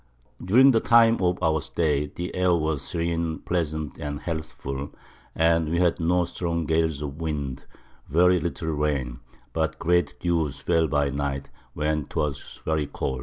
During the Time of our Stay the Air was serene, pleasant, and healthful, and we had no strong Gales of Wind, very little Rain, but great Dews fell by Night, when 'twas very cool.